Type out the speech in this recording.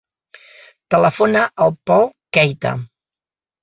Telefona al Pol Keita.